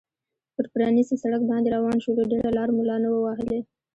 پر پرانیستي سړک باندې روان شولو، ډېره لار مو لا نه وه وهلې.